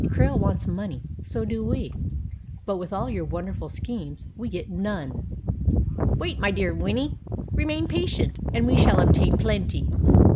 Krail wants money, so do we; but even with all your wonderful schemes we get none!" "Wait, my dear Winnie, remain patient, and we shall obtain plenty."